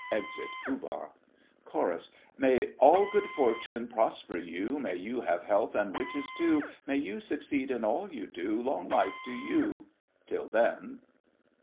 [Exit Pooh Bah. CHORUS. May all good fortune prosper you, May you have health and riches too, May you succeed in all you do! Long life to you—till then!